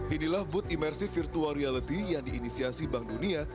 inilah booth imersi virtual reality yang diinisiasi bank dunia